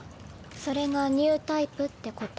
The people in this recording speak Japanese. それがニュータイプってこと？